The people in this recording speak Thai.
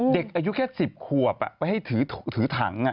เด็กอายุแค่๑๐ขวบไปให้ถือถัง